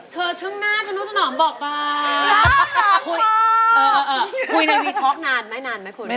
เธอช่างนาชะโน้นสม่ำบอกป่าว